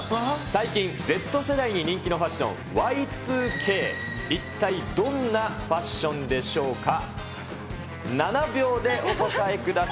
最近、Ｚ世代に人気のファッション、Ｙ２Ｋ、一体どんなファッションでしょうか。